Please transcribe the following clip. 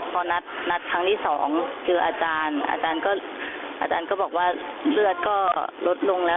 พอนัดครั้งที่๒เจออาจารย์อาจารย์ก็อาจารย์ก็บอกว่าเลือดก็ลดลงแล้ว